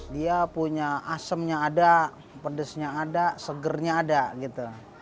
dia punya asemnya ada pedesnya ada segernya ada gitu